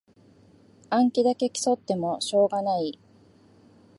暗記だけ競ってもしょうがない